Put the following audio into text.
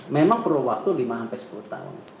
memang perlu waktu lima sampai sepuluh tahun